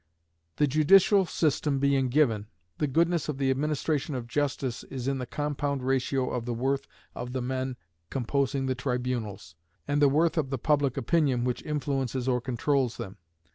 The judicial system being given, the goodness of the administration of justice is in the compound ratio of the worth of the men composing the tribunals, and the worth of the public opinion which influences or controls them.